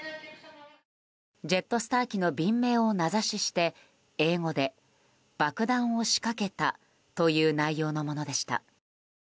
ジェットスター機の便名を名指しして英語で爆弾を仕掛けたという内容のものでした。